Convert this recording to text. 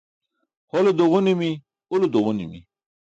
Hole duġunimi, ulo duġanimi.